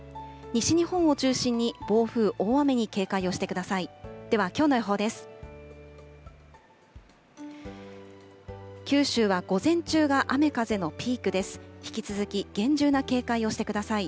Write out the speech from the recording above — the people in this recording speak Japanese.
西日本を中心に暴風、大雨に警戒をしてください。